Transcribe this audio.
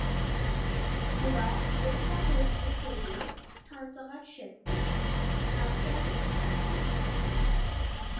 ئۇلار يەنىلا ھويلىنى تولدۇرۇپ تانسىغا چۈشەتتى، ناخشا ئېيتىشاتتى.